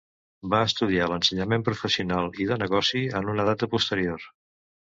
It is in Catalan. Va estudiar l'ensenyament professional i de negoci en una data posterior.